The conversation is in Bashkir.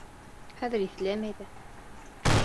Хәҙер иҫләмәй ҙә.